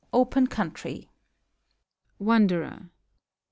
OPEN COUNTRY. WANDERER.